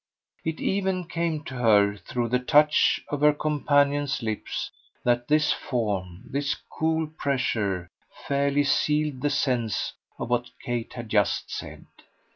It even came to her, through the touch of her companion's lips, that this form, this cool pressure, fairly sealed the sense of what Kate had just said.